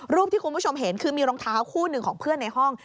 รูปที่คุณผู้ชมเห็นคือมีรองเท้าคู่หนึ่งของเพื่อนในห้อง